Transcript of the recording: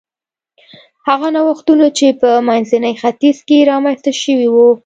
هغه نوښتونه چې په منځني ختیځ کې رامنځته شوي و